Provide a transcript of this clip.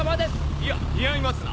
いや似合いますな。